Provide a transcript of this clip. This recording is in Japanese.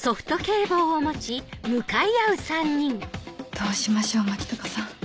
どうしましょう牧高さん。